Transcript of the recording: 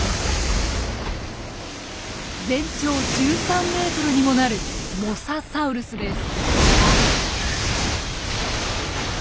全長１３ｍにもなるモササウルスです。